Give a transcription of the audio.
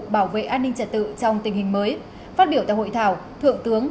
bảo vệ an ninh trật tự trong tình hình mới phát biểu tại hội thảo thượng tướng